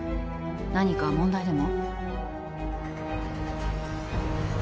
何か問題でも？